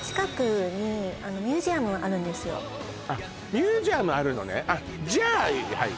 ミュージアムあるのねじゃはい